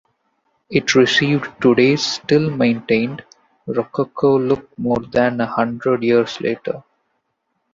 It received today's still maintained rococo look more than a hundred years later.